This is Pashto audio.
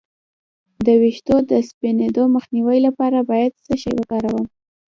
د ویښتو د سپینیدو مخنیوي لپاره باید څه شی وکاروم؟